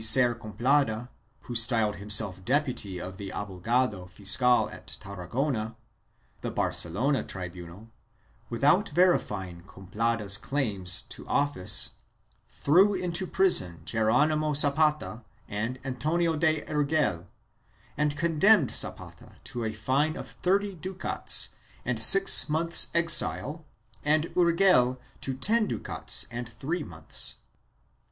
So, in 1568, for quarrelling with a servant of Micer Complada, who styled himself deputy of the abogado fiscal at Tarragona, the Barcelona tribunal, without verifying Complada's claims to office, threw into prison Geronimo Zapata and Antonio de Urgel and condemned Zapata to a fine of thirty ducats and six months' exile and Urgel to ten ducats and three months.